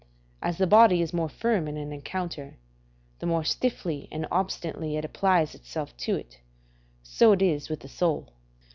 As the body is more firm in an encounter, the more stiffly and obstinately it applies itself to it, so is it with the soul.